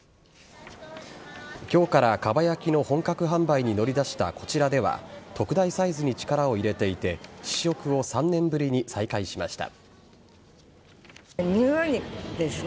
今日からかば焼きの本格販売に乗り出したこちらでは特大サイズに力を入れていて試食を３年ぶりに再開しました。